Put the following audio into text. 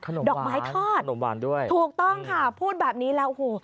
ขนมบาลดอกไม้ทอดถูกต้องค่ะพูดแบบนี้แล้วโอ้โฮ